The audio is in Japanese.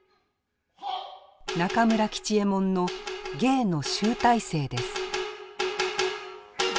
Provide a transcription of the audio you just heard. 中村吉右衛門の芸の集大成です。